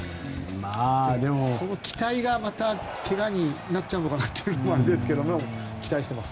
期待がまた怪我になっちゃうのかなというのもあれですが期待しています。